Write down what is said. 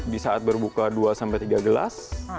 disaat berbuka dua sampai tiga gelas